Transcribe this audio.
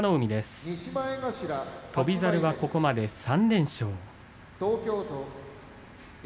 翔猿、ここまで３連勝。